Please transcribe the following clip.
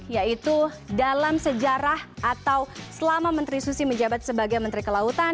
yaitu dalam sejarah atau selama menteri susi menjabat sebagai menteri kelautan